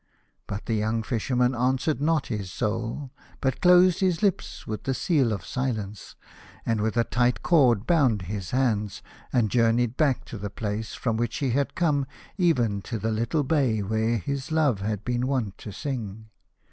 But the young Fisherman answered not his Soul, but closed his lips with the seal of silence and with a tight cord bound his hands, and journeyed back to the place from which he had come, even to the little bay where his love had been wont to sing.